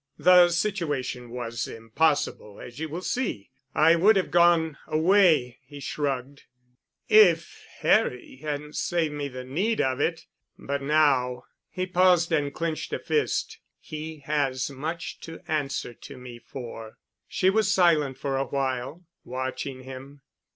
"The situation was impossible, as you will see. I would have gone away——" he shrugged, "if Harry hadn't saved me the need of it. But now——" He paused and clenched a fist. "He has much to answer to me for." She was silent for a while, watching him.